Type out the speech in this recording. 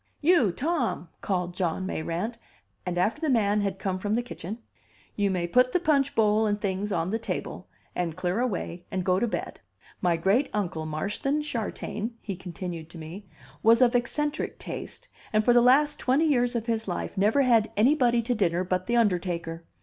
you Tom!" called John Mayrant; and after the man had come from the kitchen: "You may put the punch bowl and things on the table, and clear away and go to bed. My Great uncle Marston Chartain," he continued to me, "was of eccentric taste, and for the last twenty years of his life never had anybody to dinner but the undertaker."